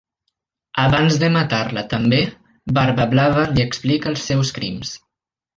Abans de matar-la també, Barba Blava li explica els seus crims.